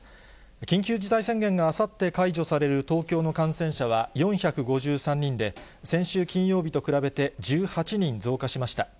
緊急事態宣言があさって解除される東京の感染者は４５３人で、先週金曜日と比べて１８人増加しました。